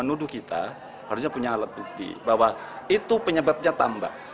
menuduh kita harusnya punya alat bukti bahwa itu penyebabnya tambak